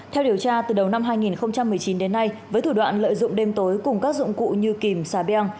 theo điều tra từ đầu năm hai nghìn một mươi chín đến nay với thủ đoạn lợi dụng đêm tối cùng các dụng cụ như kìm xà beng